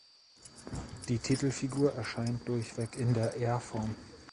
Die Titelfigur erscheint durchweg in der Er-Form.